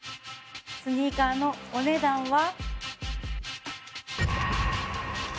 スニーカーのお値段は。